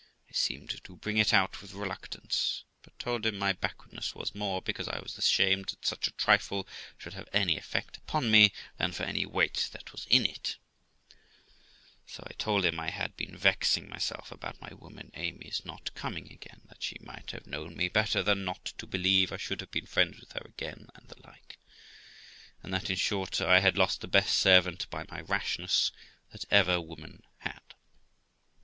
I seemed to bring it out with reluctance, but told him my backwardness was more because I was ashamed that such a trifle should have any effect upon me, than for any weight that was in it; so I told him I had been vexing myself about my woman Amy's not coming again; that she might have known me better than not to believe I should have been friends with her again, and the like; and that, in short, I had lost the best servant by my rashness that ever woman had.